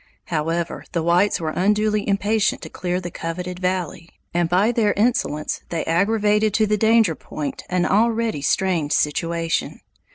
However, the whites were unduly impatient to clear the coveted valley, and by their insolence they aggravated to the danger point an already strained situation.